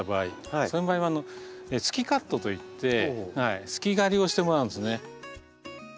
そういう場合は「すきカット」といってすき刈りをしてもらうんですね。